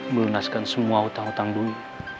melunaskan semua utang utang dulu